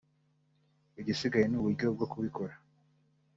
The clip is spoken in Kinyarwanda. Igisigaye ni uburyo bwo kubikora